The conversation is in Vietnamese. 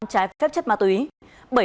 trái phép chất ma túy